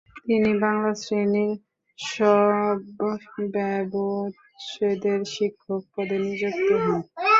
তিনি বাংলা শ্রেণীর শবব্যবচ্ছেদের শিক্ষক পদে নিযুক্ত হন।